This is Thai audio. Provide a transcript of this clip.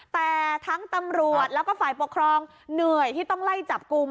แต่ทั้งตำรวจแล้วก็ฝ่ายปกครองเหนื่อยที่ต้องไล่จับกลุ่ม